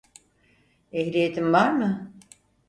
Ehliyetin var mı?